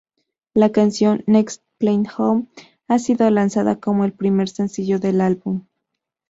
La canción "Next Plane Home" ha sido lanzada como el primer sencillo del álbum.